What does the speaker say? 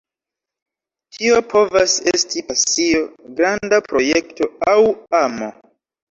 Tio povas esti pasio, granda projekto, aŭ amo.